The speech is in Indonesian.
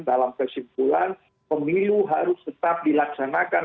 dalam kesimpulan pemilu harus tetap dilaksanakan